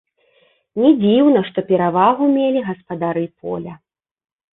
Не дзіўна, што перавагу мелі гаспадары поля.